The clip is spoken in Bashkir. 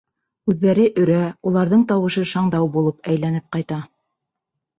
Үҙҙәре өрә, уларҙың тауышы шаңдау булып әйләнеп ҡайта.